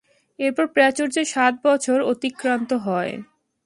এরপর প্রাচুর্যের সাত বছর অতিক্রান্ত হয়।